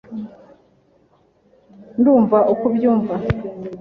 Ndumva uko ubyumva.